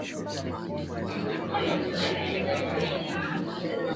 za mchezaji bora wa soka duniani Ballon dOr